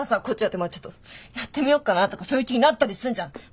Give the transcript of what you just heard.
こっちだってまあちょっとやってみよっかなとかそういう気になったりすんじゃん。